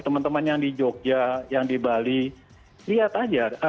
teman teman yang di jogja yang di bali lihat aja